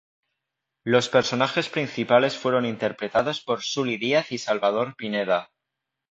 Los personajes principales fueron interpretados por Sully Díaz y Salvador Pineda.